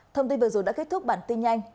thông tin vừa rồi đã kết thúc bản tin nhanh